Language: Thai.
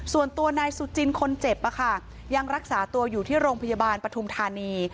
ส่วนตัวนายสุจินคนเจ็บยังรักษาตัวอยู่ที่โรงพยาบาลปฐุมธานี